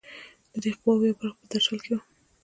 د دې قواوو یوه برخه په درشل کې وه.